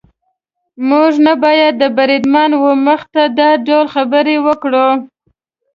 موږ نه باید د بریدمن وه مخې ته دا ډول خبرې وکړو.